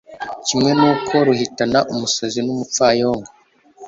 kimwe n'uko ruhitana umusazi n'umupfayongo